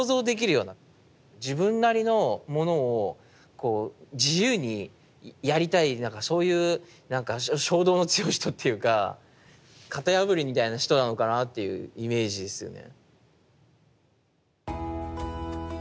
自分なりのものを自由にやりたいそういうなんか衝動の強い人っていうか型破りみたいな人なのかなっていうイメージですよね。